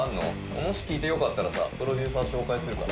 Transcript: もし聴いてよかったらプロデューサー紹介するから。